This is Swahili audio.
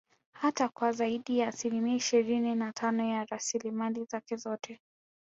Hata kwa zaidi ya asilimia ishirini na Tano ya rasilimali zake zote